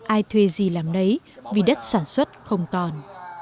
ai thuê gì làm nấy vì đất sản xuất không còn